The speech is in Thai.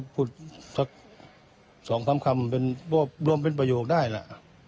พูดสัก๒คำรวมเป็นประโยคได้ล่ะ